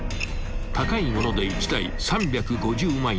［高いもので一台３５０万円］